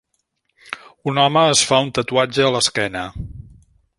Un home es fa un tatuatge a l'esquena.